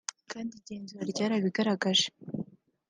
kandi igenzura ryarabigaragaje